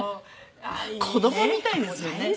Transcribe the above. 子供みたいですよね。